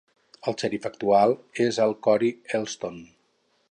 El xèrif actual és el Kory Elston.